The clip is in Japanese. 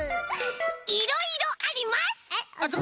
いろいろあります！ズコ！